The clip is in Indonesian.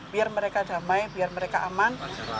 biar mereka damai biar mereka aman